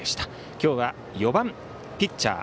今日は４番、ピッチャー